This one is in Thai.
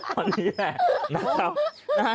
ตอนนี้แหละนะครับ